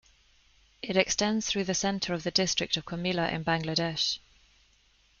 It extends through the centre of the district of Comilla in Bangladesh.